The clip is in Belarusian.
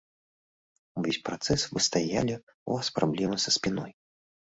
Увесь працэс вы стаялі, у вас праблемы са спіной.